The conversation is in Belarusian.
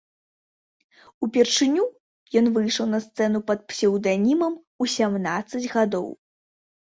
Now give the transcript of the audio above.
Упершыню ён выйшаў на сцэну пад псеўданімам у сямнаццаць гадоў.